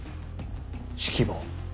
指揮棒。